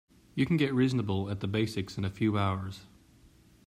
You can get reasonable at the basics in a few hours.